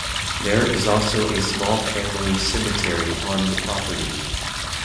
There is also a small family cemetery on the property.